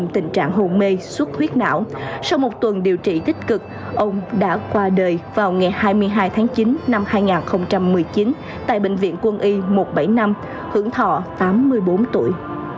trong tình trạng hôn mê suốt huyết não sau một tuần điều trị tích cực ông đã qua đời vào ngày hai mươi hai tháng chín năm hai nghìn một mươi chín tại bệnh viện quân y một trăm bảy mươi năm hưởng thọ tám mươi bốn tuổi